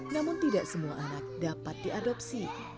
namun tidak semua anak dapat diadopsi